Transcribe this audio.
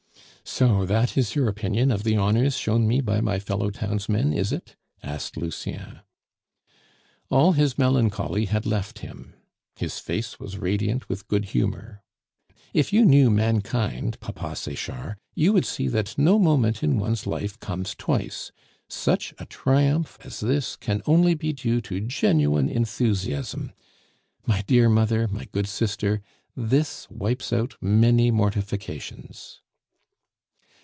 "So that is your opinion of the honors shown me by my fellow townsmen, is it?" asked Lucien. All his melancholy had left him, his face was radiant with good humor. "If you knew mankind, Papa Sechard, you would see that no moment in one's life comes twice. Such a triumph as this can only be due to genuine enthusiasm! ... My dear mother, my good sister, this wipes out many mortifications."